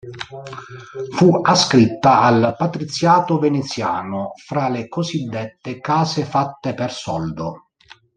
Fu ascritta al patriziato veneziano fra le cosiddette "Case fatte per soldo".